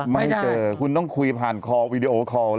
ไม่ให้เจอคุณต้องคุยผ่านคอล์วีดีโอคอล์